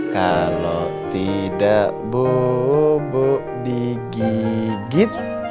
kalau tidak bu bu digigit